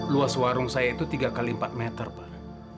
luas warung saya itu tiga x empat meter pak